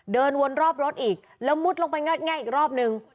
เดินวนรอบรถอีกแล้วมุดลงไปงัดแง่อีกรอบนึง